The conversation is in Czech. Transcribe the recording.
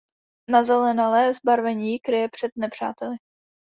Nazelenalé zbarvení ji kryje před nepřáteli.